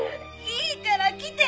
いいから来て！